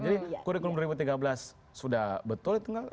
jadi kurikulum dua ribu tiga belas sudah betul